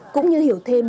cũng như hiểu thêm